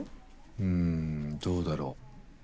うんどうだろう。